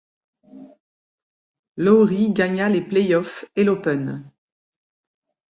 Lawrie gagna les playoff et l'Open.